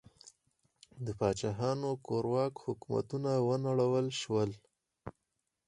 د پاچاهانو کورواک حکومتونه ونړول شول.